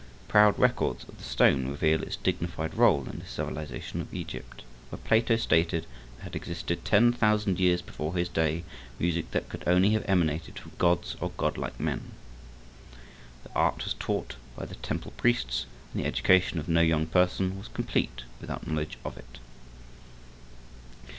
Proud records of stone reveal its dignified rôle in the civilization of Egypt, where Plato stated there had existed ten thousand years before his day music that could only have emanated from gods or godlike men. The art was taught by the temple priests, and the education of no young person was complete without a knowledge of it.